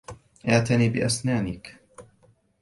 اعتن بأسنانك